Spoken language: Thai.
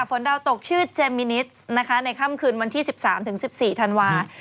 ดาวตกชื่อเจมมินิสนะคะในค่ำคืนวันที่๑๓๑๔ธันวาคม